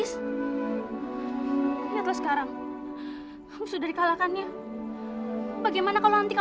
supaya kamu diberikan olahraga mereka